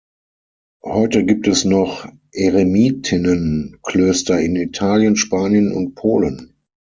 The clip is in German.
Heute gibt es noch Eremitinnen-Klöster in Italien, Spanien und Polen.